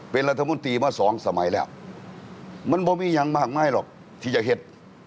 เป็นรัฐมนตรีมาสองสมัยแล้วมันบ่มีอย่างมากมายหรอกที่จะเห็น